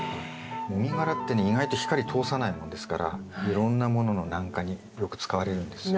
もみ殻ってね意外と光通さないもんですからいろんなものの軟化によく使われるんですよ。